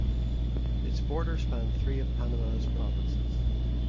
Its border spanned three of Panama's provinces.